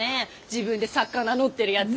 自分で作家名乗ってるやつ。